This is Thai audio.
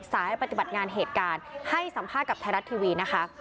ปฏิบัติงานเหตุการณ์ให้สัมภาษณ์กับไทยรัฐทีวีนะคะ